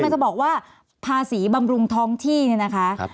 จะบอกว่าภาษีบำรุงท้องที่เนี่ยนะคะ